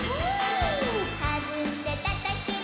「はずんでたたけば」